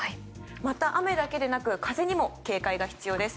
また雨だけでなく風にも警戒が必要です。